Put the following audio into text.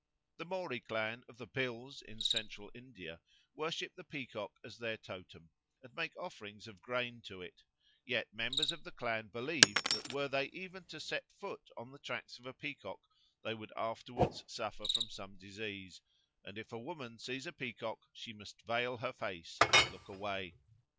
The Mori clan of the Bhils in Central India worship the peacock as their totem and make offerings of grain to it; yet members of the clan believe that were they even to set foot on the tracks of a peacock they would afterwards suffer from some disease, and if a woman sees a peacock she must veil her face and look away.